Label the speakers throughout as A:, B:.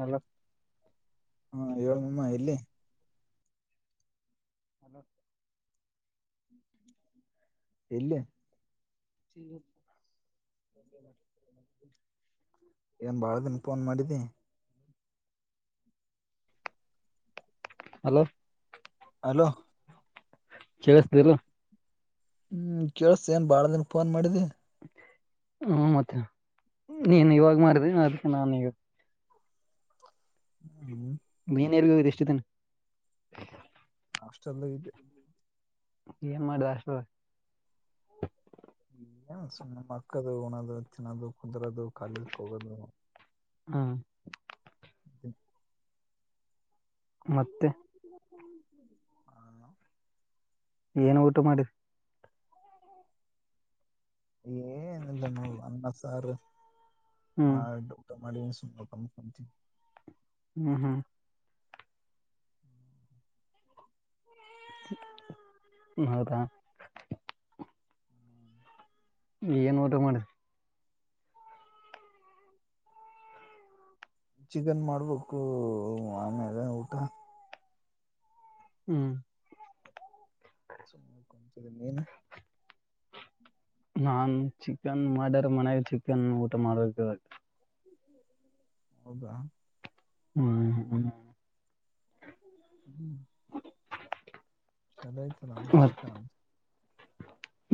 A: Hello
B: ಹಾ ಏಳ್ ಮಮ್ಮ ಎಲ್ಲಿ. [inaudible] ಇಲ್ಲ. ಏನ್ ಭಾಳ ದಿನ ಫೋನ್ ಮಾಡಿದ್ದಿ.
A: ಹಲೋ
B: ಹಲೋ
A: ಕೇಳಿಸ್ತಿಲ್ಲ
B: ಹ್ಮ್ ಕೇಳ್ಸ್ತಾ ಏನ್ ಬಾಳ ದಿನ್ ಫೋನ್ ಮಾಡಿದ್ದಿ.
A: ಹ್ಮ ಮತ್ತೆ ನೀನ್ ಇವಾಗ ಮಾಡಿದೆ ಅದಕ್ಕೆ ನಾನ್.
B: ಹ್ಮ್
A: ಮೀನ್ ಎರ್ಗೋಗ ಎಷ್ಟಿದ್ದನ
B: ಅಷ್ಟೆಲ್ಲ ಇದ್ದದೆ
A: ಮ್ಮ ದಾಸ
B: ಏನ್ ಸು ನಮ್ಮ ಅಕ್ಕದು ಣದು ತಿನ್ನೋದು ಕುುದರೋದು ಕಾಲೇದಕ್ಕೆ ಹೋಗೋದು
A: ಹಾ
B: ಹ್ಮ
A: ಮತ್ತೆ
B: ಹ್ಮ
A: ಏನ್ ಊಟ ಮಾಡಿ
B: ಏ ಇಲ್ಲ ನೋಡ ಅನ್ನ ಸಾಾರ
A: ಹ್ಮ್
B: ಮೌಟ ಮಾಡ ಸಕ
A: ಹ್ಮ್ ಹ್ಮ್ ಹೌದಾ ಏನ್ ಊಟ ಮಾಡ್ರ
B: ಚಿಕನ್ ಮಾಡ್ಬೇಕು ಆಮೇಲೆ ಊಟ
A: ಹ್ಮ್
B: ಚ ಮೇನು
A: ನಾನ್ ಚಿಕನ್ ಮರ್ ಮನೆ ಚಿಕನ್ ಊಟ ಮಾಡ
B: ಹೌದಾ
A: ಹ್ಮ
B: ಹ್ಮ್ ಸಲತಾಮ ಸಿಿಕ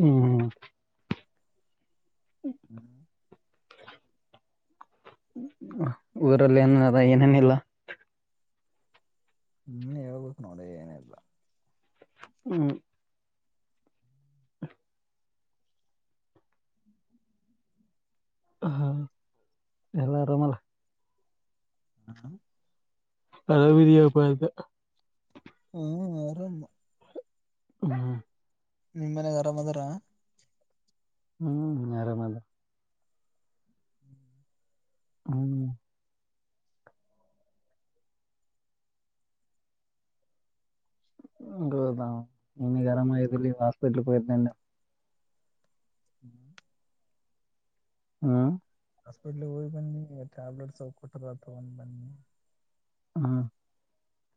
A: ಹ್ಮ್್ಮ
B: ಹ್ಮ್
A: ಊರಲ್ಲಿ ಏನದ ಏನೇನಿಲ್ಲ
B: ಹ್ಮ್ ಹೇಳ್ಬೇಕು ನೋಡಿ ಏನಲ್ಲ
A: ಹ್ಮ್ ಹಾ ಎಲ್ಲ ರಮಲ್ಲ
B: ಹಕ
A: ಕರ ವಿರಿಾಪದೆ
B: ಹ್ಮ್ ಆರಾಮ
A: ಹಾ
B: ನಿಮ್ ಮನೆಾಗ ಆರಾಮ್ ಅದಾರ
A: ಹ್ಮ್ ನರನಲ್ಲ ಹ್ಮ ಹದಾ ನಿ ಗರಮಲ್ಲಿ ಹಾಸ್ಪಿಟಲ್ ಪಯರ್ತ
B: ಹ್ಮ್
A: ಹ್ಮ್
B: ಹಾಸ್ಪಿಟ್ಲ್ ಹೋಗಿ ಬನ್ನಿ ಈಗ ಟ್ಯಾಬ್ಲೆಟ್ಸ್ಗಿ ಕೊಟ್ಟತ ಬನ್ನಿ
A: ಹಾ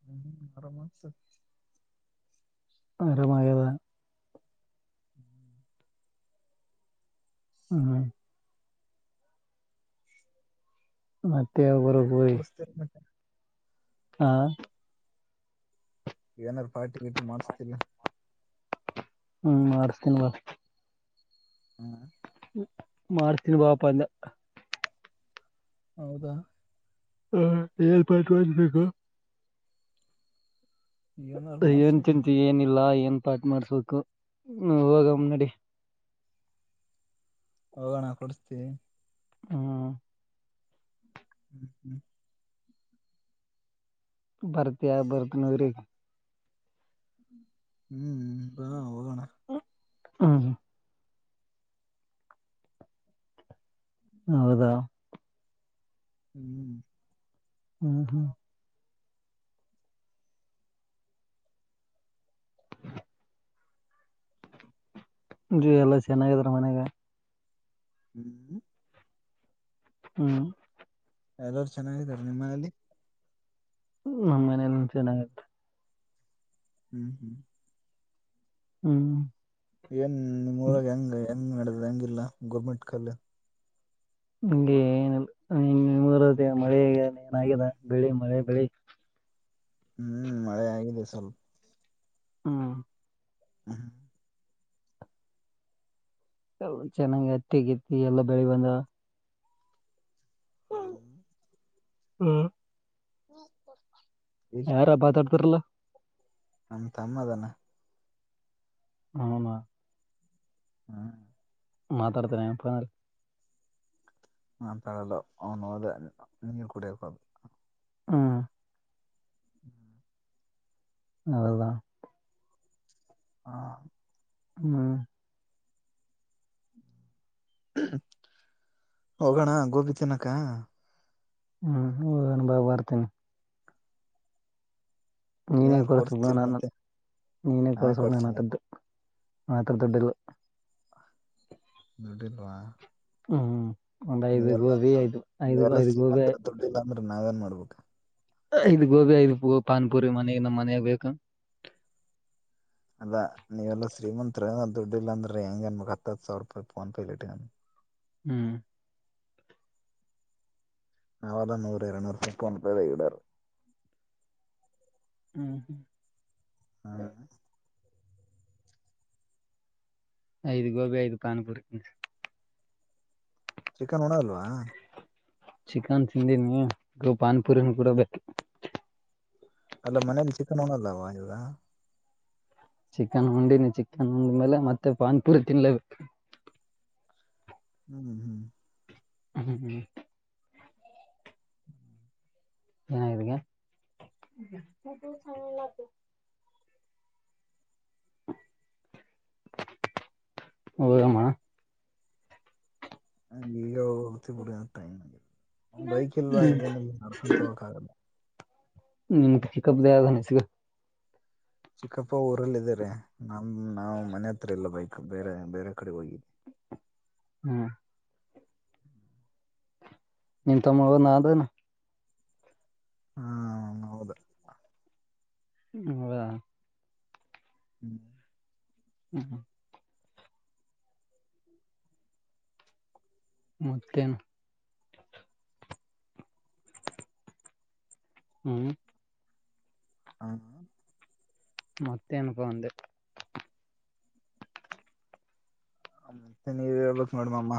B: ಹ್ಮ್್ಮ ಮರ ಮತ
A: ಅರಮದಾ
B: ಹ್ಮ್
A: ಹ್ಮ್ ಹ
B: ಕುಡಸ್ತೇ ಮತ್ತೆ
A: ಹಾ
B: ಏನಾರರು ಪಾರ್ಟಿ ಗೀಟಿ ಮಾಡಸ್ತಿಲ್ಲ
A: ಹ್ಮ್ ಮಾಡಸ್ತೀನ್ ಬ
B: ಹ್ಮ್
A: ಮಾರ್ತಿನ ಬಾಪ ಎಂದ
B: ಹೌದಾ
A: ಹ ಎಏಲ್ಪಾಯ ಬು
B: ಏನಾರು
A: ಏನ್
B: ಮಾಡ್ಸ್ಬೇಕು
A: ತಿಂತ ಏನಿಲ್ಲಾ ಏನ್ ಪಾಠ ಮಾಡಸ್ಬೇಕು ಹ ಹೋಗ ಮು್ ನಡಿ
B: ಹೋಗೋಣ ಕೊಡ್ಸ್ತೀ
A: ಹಾ
B: ಹ್ಮ್ ಹ್ಮ್
A: ಬರ್ತ್ ಯ ಬರ್ತ್ ನಗ್ರ
B: ಹ್ಮ್ ಹಾ ದಣ
A: ಹ್ಮ ಹ ಹೌದಾ
B: ಹ್ಮ್
A: ಹ್ಮ್ ಹ್ಮ್ ಜೀ ಎಲ್ಲಾ ಚೆನ್ನಾಗಿದ್ರ ಮನೆಾಗ
B: ಹ್ಮ್
A: ಹ್ಮ್
B: ಎಲ್ಲರು ಚೆನ್ನಾಗಿದರು ನಿಮ್ಮ ಮನಲಿ
A: ನಮ್ಮ್ ಮನಲಿ ಚೆನ್ನಾಗತ್ತೆ
B: ಹ್ಮ್ ಹ್ಮ್
A: ಹ್ಮ್
B: ಏನ್ ನಿಮ್ಮ ಊರಾಗ ಹೆಂಗ ಹೆಂಗ್ ನಡದ ಹೆಂಗಿಲ್ಲ ಗೋರ್ಮೆಂಟ್ ಕಾಲೇ
A: ನಿಗೆ ಏನ ಮೂರ ಮಳೆ ಏನಾಗಿದೆ ಬೆಳಿ ಮಳೆ ಬೆಳಿ
B: ಹ್ಮ್ ಮಳೆ ಆಗಿದೆ ಸ್ವಲ್ಪ
A: ಹಾ
B: ಹ್ಮ್ ಹ
A: ಹ ಚೆನ್ನಾಗಿ್ ಅತ್ತಿಗತಿ ಎಲ್ಲಾ ಬೆಳಿ ಬಂದ ಹ್ಮ್
B: ಹ್ಮ ಕೊಡ್ಪ
A: ಯಾರ ಬತಾಡ್ತಾರಲ್ಲ
B: ನಮ ತಮ್ಮದಾನ
A: ನ ನ
B: ಹಾ
A: ಮಾತಾಡ್ತನೆ ನಲ್ಲ
B: ಹ ಪಳಲ್ಲ ಅವನು ಅದ ನೀರ್ ಕುಡಿಯಬೇಕು ಅದು
A: ಹಾ ಅದಾ
B: ಹಾ
A: ಹ್ಮ
B: ಹೋಗೋಣ ಗೋಬಿ ತಿನ್ನಕ್ಕ
A: ಹ್ಮ್ ಹ ಅನು ಬಾವ ಬರ್ತೇನೆಿ ನೀನೇ
B: ಯಾರು
A: ಕೊರ ಸುಾನ
B: ಕೊಡ್ಸ್ತಿಲ್ ಮತ್ತೆ
A: ನೀನ
B: ನಾ
A: ಕೊರ
B: ಕೊಡ್ಸ್ಲಿ
A: ಸುಮಾನಥದ್ದು ಮಾತ್ರ ತೊಟ್ಟಲ್ಲ
B: ಗುಡ ನ
A: ಹ್ಮ್ ಒಂದು್ ಐದು ಗೋಬಿ ಐದು್ ಐದು
B: ನೀವೆಲ್ಲ
A: ಐದು್ ಗೋಬಿ
B: ಶ್ರೀಮಂತರ ದುಡ್ಡಿಲ್ಲ ಅಂದ್ರೆ ನಾವೇಏನ್ ಮಾಡ್ಬೇಕಾ
A: ಇದು ಗೋಬಿಐ ಪಾನ್ಪುರಿ ಮನೆ ನಮ್ಮ್ ಮನೆ ಬೇಕು
B: ಅಲ್ಲ ನೀವೆಲ್ಲಾ ಶ್ರೀಮಂತ್ರ ದುಡ್ಡು ಇಲ್ಲ ಅಂದ್ರೆ ಹೆಂಗ ಅನ್ಮಗ್ ಹತ್ತು ಸಾವಿರ ರೂಪಾಯಿ ಫೋನ್ ಪೇಲಿಟ್ಟ
A: ಹ್ಮ್
B: ನಾವಾದಾ ನೂರು ಇರನೂರು ಫಟ್ ಒಣಪ ಹಡಾರೆ
A: ಹ್ಮ್ ಹ್ಮ್
B: ಹಾ
A: ಐದು ಗೋಬಿ ಐದು ಪಾನಪುರಿ
B: ಚಿಕನ್ ಉಣಲ್ವ
A: ಚಿಕನ್ ತಿಂದೀನಿ ಪಾನಿಪುರಿನ ಬಿಡದೆ
B: ಅಲ್ಲ ಮನೇಲಿ ಚಿಕನ್ ಉಣಲ್ಲವಾ ಈವಾ ಗ
A: ಚಿಕನ್ ಉಂಡಿನಿ ಚಿಕನ್ ಉಂಡ್ಮೇಲೆ ಮತ್ತೆ ಪಾನಿಪೂರಿ ತಿನ್ಲೇಬೇಕು.
B: ಹ್ಮ್ ಹ್ಮ್ ಹ್ಮ್
A: ಹ್ಮ ಹ್ಮ್ ಏನ ಆಗ್ಯದಗೆ [inaudible] ಹೌದಮ
B: ಅಲ್ಲಿ ಹೋತಿ ಬಿಡ ಟೈಮ ಆಗ್ಯದ ಆ ಬೈಕ್ ಎಲ್ವಾ ಏನಿಲ್ಲ ನಡ್ಕೊಂತಾ ಹೊಗಕ್ ಆಗಲ್ಲ.
A: ನಿಮ ಚಿಕಪ್ ದಾದೇನ ಇಸಗ.
B: ಚಿಕ್ಕಪ್ಪ ಊರಲ್ಲ ದರೆ ನಮ ನಾ ಮನೆ ಹತ್ರ ಇಲ್ಲ ಬೈಕ್ ಬೇರೆ ಬೇರೆ ಕಡೆ ಹೋಗಿ. [inaudible]
A: ಹ್ಮ ನಿಮ್ ತಮ್ಮ ಹೊದಾನ ಅದನ
B: ಹಾ ಹೊದ.
A: ಹೌದಾ
B: ಹ್ಮ್
A: ಹ್ಮ್ ಹ್ಮ ಮತ್ತೇನು ಹ್ಮ್
B: ಹಾ
A: ಮತ್ತೆ ಏನಪ್ಪ ಅಂದೇ.
B: ಮತ್ತೆ ನೀವ ಹೇಳ್ಬೇಕ ನೋಡಮಾಮ.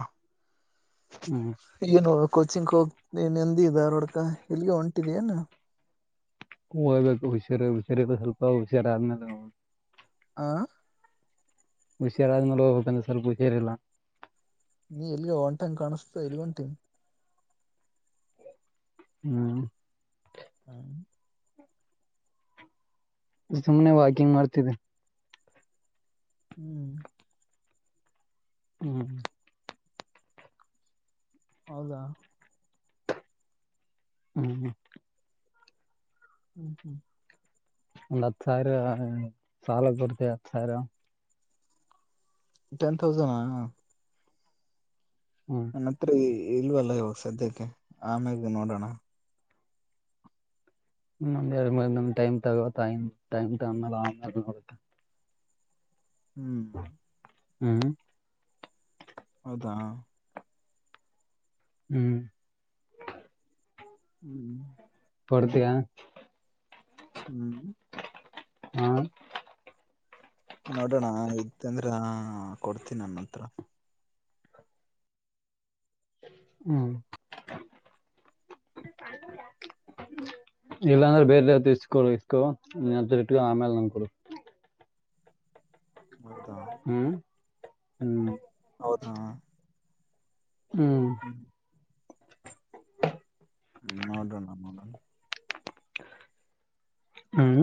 A: ಹ್ಮ್
B: ಏನು ಕೋಚಿಂಗಕ ಹೋಗತಿ ಧಾರ್ವಾಡ್ಕ ಇಲ್ಲಿಗೆ ಹೊಂಟಿದೆಯನ.
A: ಹೋಗ್ಬೇಕ್ ಹುಷಾರ ಹುಷಾರಿಲಾ ಸ್ವಲ್ಪ ಹುಷಾರ ಆದ್ಮೇಲೆ.
B: ಆ
A: ಹುಷರಾದ್ ಮೇಲೆ ಹೋಗಬೇಕಂದ್ರ ಸ್ವಲ್ಪ ಹುಷಿಯರಿಲ್ಲ.
B: ನೀ ಎಲ್ಗ ಒಂಟಂಗ್ ಕಾಣಿಸ್ತ ಎಲ್ಲಿಗಿಹೊಂಟಿ.
A: ಹ್ಮ್
B: ಹ್ಮ್
A: ಸುಮನೆ ವಾಕಿಂಗ್ ಮಾಡ್ತವಿ
B: ಹ್ಮ್
A: ಹ್ಮ
B: ಹೌದಾ
A: ಹ್ಮ
B: ಹ್ಮ್ ಹ್ಮ್
A: ಒಂದ್ ಹತ್ ಸಾವಿರ ಸಾಲ ಕೊಡ್ತ ಹತ್ ಸಾವಿರ
B: ಟೆನ್ ತೌಸಾಂಡ ಹಾ
A: ಹ್ಮ್
B: ನನ್ನ ಹತ್ರ ಇಲ್ವಲ್ಲ ಇವಾಗ ಸದ್ಯಕ್ಕೆ ಆಮ್ಯಾಗ ನೋಡೋಣ.
A: ಎರಡ [unintelligible] ಟೈಮ್ ತಗೋತಾ ಟೈಮ್ ತೊಗೊಂಡ ಮೇಲ ಆನ್ ಅಗತ
B: ಹ್ಮ್
A: ಹ್ಮ್
B: ಹೌದಾ
A: ಹ್ಮ್
B: ಹ್ಮ್
A: ಪಡ್ತಿಯಾ
B: ಹ್ಮ್
A: ಹ್ಮ
B: ನೋಡೋಣ ಇದ್ದಂದ್ರ ಕೊಡ್ತೀನಿ ನನ್ನ ಹತ್ರ
A: ಹ್ಮ್ ಇಲ್ಲಾ ಅಂದ್ರೆ ಬೇರೆತ್ತು ಇಸ್ಕೋರು ಇಸ್ಕೋ ಆಮೇಲೆ ನಂಕರು
B: ಹೌದಾ
A: ಹ್ಮ್ ಹ್ಮ್
B: ಹೌದಾ
A: ಹ್ಮ್
B: ಹ್ಮ ನೋಡ್ರಣ ನೋಡಣ
A: ಹ್ಮ್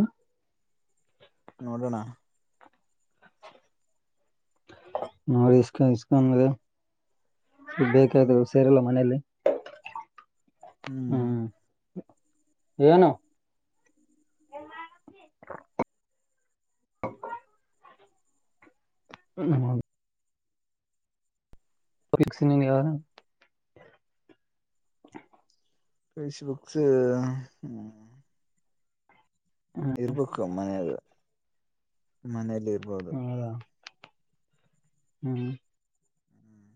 B: ನೋಡೋಣ
A: ನೋಡಿ ಇ ಇಸ್ಕಂದ ಬೇಕಾದರು ಸೇರಲ್ಲ ಮನಲಿ ಹ್ಮ್ ನು
B: ಹ
A: ಹ್ಮ ಹೌ ಫಿಸ್ ನೀ ನೀಾರ ಹ
B: ಫೇಸ್ಬುಕ್ಸ್ ಹ್ಮ ಇರ್ಬೇಕು ಮನ ಮನೇಲಿ ಇರ್ಬೋದು
A: ಹೌದಾ ಹ್ಮ್
B: ಹ್ಮ್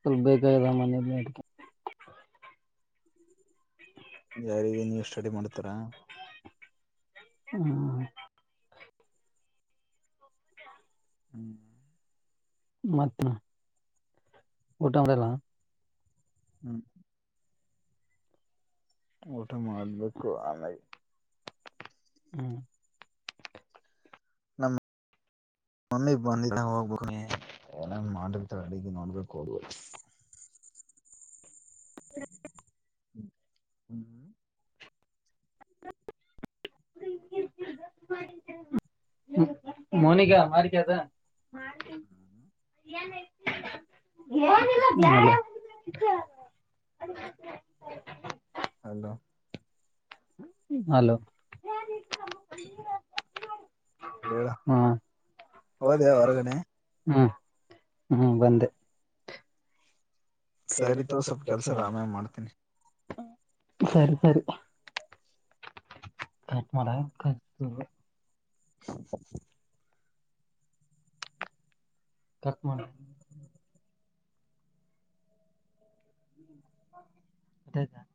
A: ಸ್ವಲ್ಪ ಬೇಕದ ಮನ
B: ಯಾರಿಗೆ ನೀವು ಸ್ಟಡಿ ಮಾಡ್ತಾರಾ
A: ಹ್ಮ
B: ಹ್ಮ್
A: ಮತ್ತೆ ಊಟ್ರಲ್ಲ
B: ಹ್ಮ್ ಊಟ ಮಾಡತ್ಬೇಕು ಆ
A: ಹ್ಮ್
B: ನಮ್ಮ ಮಮ್ಮಿ ಬಂದಿದ್ದಾಗ ಹೋಗ್ಬೇಕ ನೀ ಏನ ಮಾಡತ ಅಡಗಿ ನೋಡ್ಬೇಕು ಹೋದ ಹ್ಮ ಹ [inaudible]
A: ಮೋನಿಕಾ ಮಾರಿಕದ ಏನಿಲ್ಲ ಹ
B: ಹಲೋ
A: ಹಲೋ
B: ಹೇಳ
A: ಹಾ
B: ಹೋದ್ಯ ಹೊರಗಡೆ
A: ಹ್ಮ್ ಹ್ಮ್ ಬಂದೆ
B: ಸರಿತ ಸ್ವಲ್ಪ ಕೆಲ್ಸ ಆಾಮೇ ಮಾಡ್ತೀನಿ ಸರಿ ಸರಿ
A: ಕಟ್ ಮಾಡ ಕ
B: ಮಾಡಕ [inaudible] ಕಟ್ ಮಾಡ ಹ್ಮ್
A: ದದ